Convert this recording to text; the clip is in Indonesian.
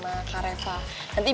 nanti biar kareva aja yang nolongin